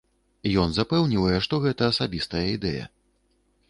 Ён запэўнівае, што гэта асабістая ідэя.